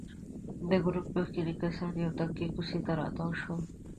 د ګروپ مخکېني کسان یوې تنګې کوڅې ته تاو شول.